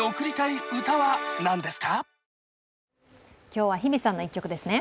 今日は日比さんの１曲ですね。